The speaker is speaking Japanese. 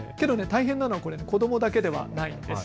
大変なのは子どもだけではないんです。